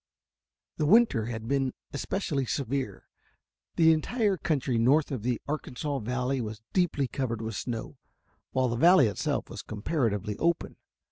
The winter had been especially severe. The entire country north of the Arkansas valley was deeply covered with snow, while the valley itself was comparatively open.